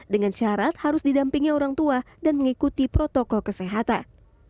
dengan syarat harus didampingi orang tua dan mengikuti protokol kesehatan